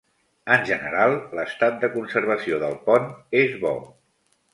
En general l'estat de conservació del pont és bo.